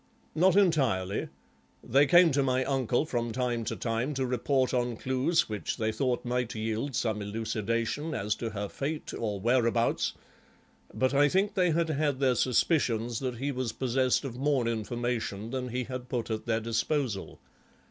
"Not entirely; they came to my uncle from time to time to report on clues which they thought might yield some elucidation as to her fate or whereabouts, but I think they had their suspicions that he was possessed of more information than he had put at their disposal.